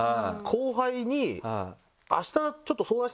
後輩に。